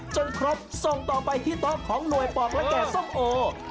จนครบส่งต่อไปที่โต๊ะของหน่วยปอกและแก่ส้มโอ